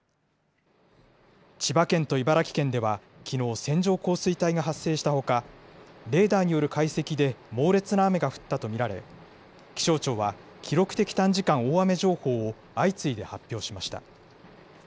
千葉県と茨城県ではきのう、線状降水帯が発生したほか、レーダーによる解析で猛烈な雨が降ったと見られ、気象庁は、記録的短時間大雨情報を相次いで発表しました。